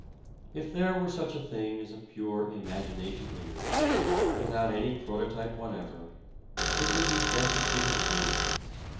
If there were such a thing as a pure imagination image, without any prototype whatever, it would be destitute of meaning.